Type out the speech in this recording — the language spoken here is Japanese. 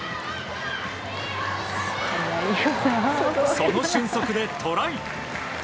その俊足でトライ！